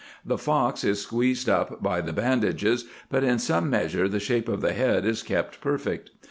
The fox is squeezed up by the bandages, but in some measure the shape of the head is kept per fect.